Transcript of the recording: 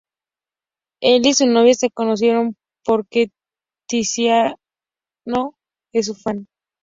El y su novia se conocieron porque Tiziano es su fan.